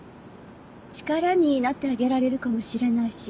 力になってあげられるかもしれないし。